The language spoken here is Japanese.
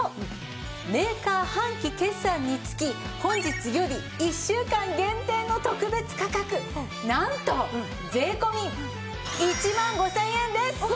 メーカー半期決算につき本日より１週間限定の特別価格なんと税込１万５０００円です！